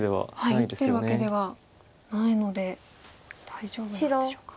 生きてるわけではないので大丈夫なんでしょうか。